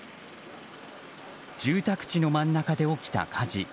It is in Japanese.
住宅地の真ん中で起きた火事。